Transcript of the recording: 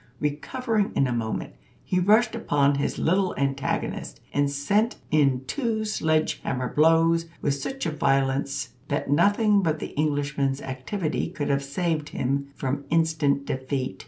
Recovering in a moment, he rushed upon his little antagonist, and sent in two sledge hammer blows with such violence that nothing but the Englishman's activity could have saved him from instant defeat.